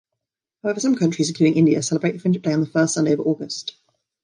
However, some countries, including India, celebrate Friendship Day on the first Sunday of August.